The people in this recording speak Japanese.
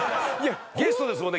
ゲストですもんね。